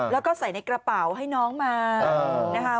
แล้วก็ใส่ในกระเป๋าให้น้องมานะคะ